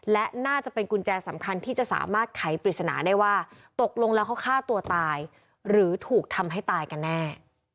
และน่าจะเป็นกุญแจสำคัญที่จะสามารถไขปริศนาได้ว่าตกลงแล้วเขาฆ่าตัวตายหรือถูกทำให้ตายกันแน่